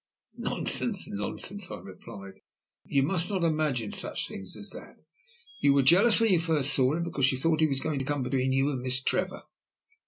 "Nonsense, nonsense," I replied, "you must not imagine such things as that. You were jealous when you first saw him, because you thought he was going to come between you and Miss Trevor.